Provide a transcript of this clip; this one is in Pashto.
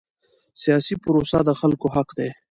سیاسي پروسه د خلکو حق دی